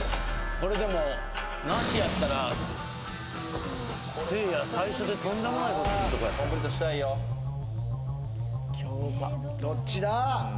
これでも「なし」やったらせいや最初でとんでもないことするとこやったコンプリートしたいよ餃子どっちだ？